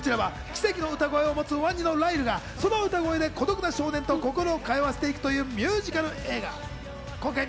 こちらは奇跡の歌声を持つ、ワニのライルがその歌声で孤独な少年と心を通わせていくというミュージカル映画。